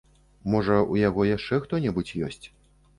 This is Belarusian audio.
Можа, у яго яшчэ хто-небудзь ёсць?